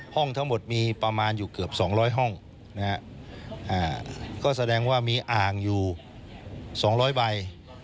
ห้องทั้งหมดมีประมาณอยู่เกือบ๒๐๐ห้องนะฮะก็แสดงว่ามีอ่างอยู่๒๐๐ใบ